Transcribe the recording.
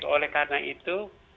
oleh karena itu